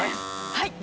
はい。